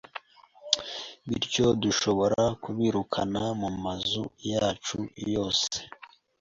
bityo dushobora kubirukana mumazu yacu yose.